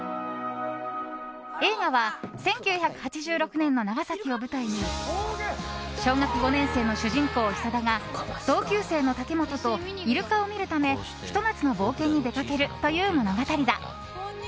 映画は１９８６年の長崎を舞台に小学５年生の主人公・久田が同級生の竹本とイルカを見るためひと夏の冒険に出かけるという物語だ。